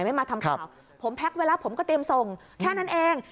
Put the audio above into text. ไม่มาทำข่าวผมแพ็คไว้แล้วผมก็เตรียมส่งแค่นั้นเอง